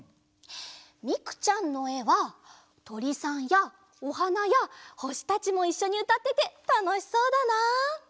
みくちゃんのえはとりさんやおはなやほしたちもいっしょにうたっててたのしそうだな。